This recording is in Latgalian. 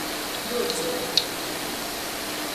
Duorzuoji.